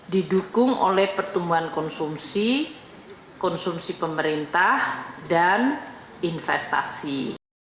didukung oleh pertumbuhan konsumsi konsumsi pemerintah dan investasi